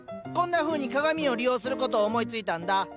こんなふうに鏡を利用することを思いついたんだ。